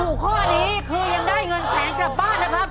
ข้อนี้คือยังได้เงินแสนกลับบ้านนะครับ